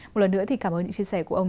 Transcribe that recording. một lần nữa thì cảm ơn những chia sẻ của ông